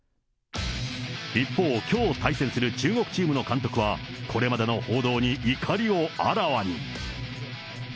一方、きょう対戦する中国チームの監督は、これまでの報道に怒りをあらわに。